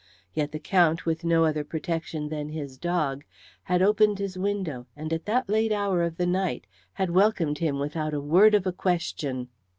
Yet the Count, with no other protection than his dog, had opened his window, and at that late hour of the night had welcomed him without a word of a question.